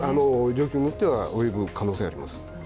状況によっては及ぶ可能性はあります。